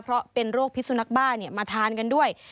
เพราะเป็นโรคพิสุนักบ้ามาทานกันด้วย